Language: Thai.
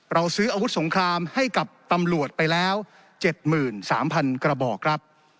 ซื้ออาวุธสงครามให้กับตำรวจไปแล้ว๗๓๐๐๐กระบอกครับ